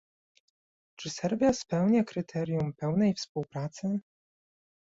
Czy Serbia spełnia kryterium pełnej współpracy?